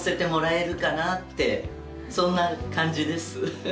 そんな感じです。